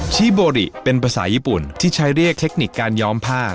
ชีโบริเป็นภาษาญี่ปุ่นที่ใช้เรียกเทคนิคการย้อมผ้า